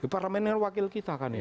parlemen wakil kita kan ya